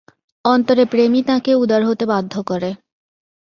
অন্তরের প্রেমই তাঁকে উদার হতে বাধ্য করে।